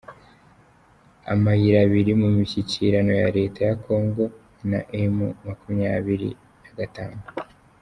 Amayirabiri mu mishyikirano ya Leta ya kongo na emu makumyabiri nagatatu